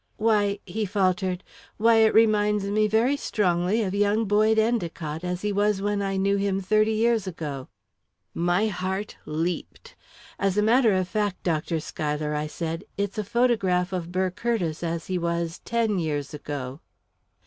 "Why," he faltered, "why it reminds me very strongly of young Boyd Endicott, as he was when I knew him, thirty years ago." My heart leaped. "As a matter of fact, Dr. Schuyler," I said, "it's a photograph of Burr Curtiss, as he was ten years ago."